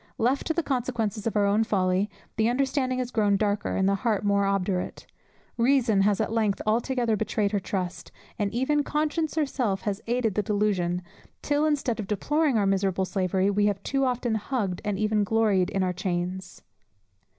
Left to the consequences of our own folly, the understanding has grown darker, and the heart more obdurate; reason has at length altogether betrayed her trust, and even conscience herself has aided the delusion, till, instead of deploring our miserable slavery, we have too often hugged, and even gloried in our chains.